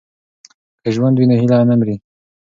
که ژوند وي نو هیله نه مري.